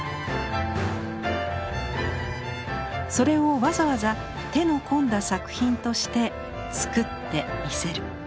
それをわざわざ手の込んだ作品として作って見せる。